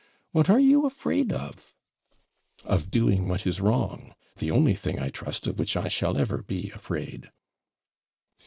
What are you afraid of?' 'Of doing what is wrong the only thing, I trust, of which I shall ever be afraid.'